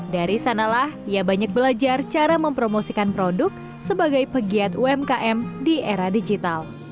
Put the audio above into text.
dari sanalah ia banyak belajar cara mempromosikan produk sebagai pegiat umkm di era digital